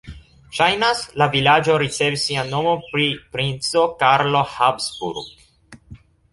Ŝajnas, la vilaĝo ricevis sian nomon pri princo Karlo Habsburg.